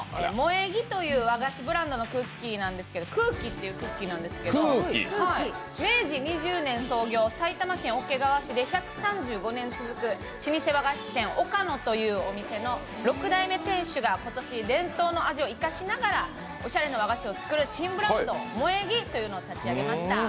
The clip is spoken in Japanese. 萌え木という和菓子ブランドのクッキーなんですけど「ＣＵＫＩ−空気−」というクッキーなんですけど、明治２０年創業、埼玉県桶川市で１３５年続く老舗和菓子店、をかのというお店の６代目店主が伝統の味を生かしながらおしゃれな和菓子を作る新ブランド、萌え木というのを立ち上げました。